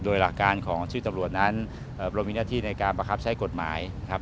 โดยหลักการของชื่อตำรวจนั้นเรามีหน้าที่ในการประคับใช้กฎหมายนะครับ